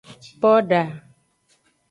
Poda.